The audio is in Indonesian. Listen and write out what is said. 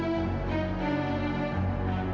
jangan sampai hai hai keluar